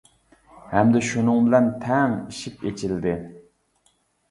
ھەمدە شۇنىڭ بىلەن تەڭ ئىشىك ئىچىلدى.